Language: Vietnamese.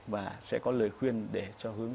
và sẽ có lời khuyên để cho hướng